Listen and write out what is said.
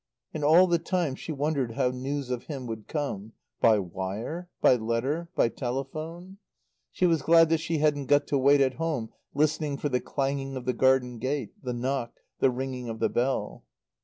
And all the time she wondered how news of him would come. By wire? By letter? By telephone? She was glad that she hadn't got to wait at home, listening for the clanging of the garden gate, the knock, the ringing of the bell.